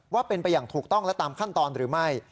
ว่าเป็นไปอย่างถูกต้องและตามขั้นตอนหรือไม่